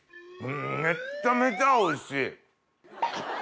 めっちゃめちゃおいしい！